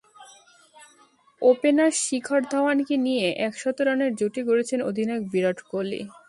Opener Shikhar ধাওয়ানকে নিয়ে একশত রানের জুটি গড়েছেন অধিনায়ক বিরাট কোহলি।